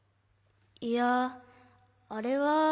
いやあれは。